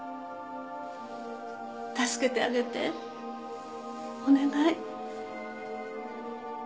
助けてあげてお願い